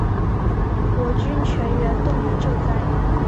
国军全面动员救灾